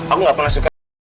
aku gak pernah suka